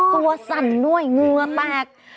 สั่นด้วยเหงื่อแตก